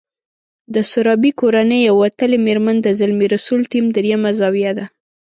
د سرابي کورنۍ يوه وتلې مېرمن د زلمي رسول ټیم درېيمه زاویه ده.